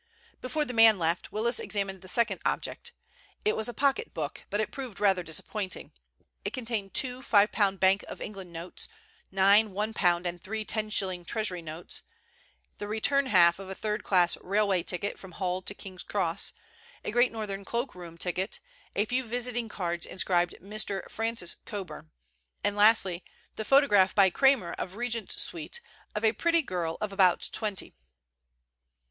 Before the man left Willis examined the second object. It was a pocket book, but it proved rather disappointing. It contained two five pound Bank of England notes, nine one pound and three ten shilling Treasury notes, the return half of a third class railway ticket from Hull to King's Cross, a Great Northern cloakroom ticket, a few visiting cards inscribed "Mr. Francis Coburn," and lastly, the photograph by Cramer of Regent Sweet of a pretty girl of about twenty.